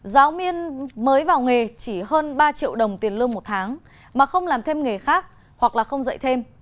giáo viên mới vào nghề chỉ hơn ba triệu đồng tiền lương một tháng mà không làm thêm nghề khác hoặc là không dạy thêm